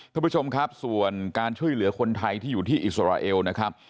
ท่านผู้ชมครับส่วนการช่วยเหลือคนไทยที่อยู่ที่อิสราเอลนะครับ